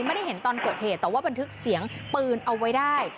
ไม่ได้เห็นตอนเกิดเหตุแต่ว่าบันทึกเสียงปืนเอาไว้ได้